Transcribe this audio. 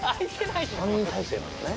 ３人体制なんだね。